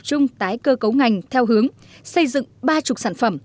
tập trung tái cơ cấu ngành theo hướng xây dựng ba mươi sản phẩm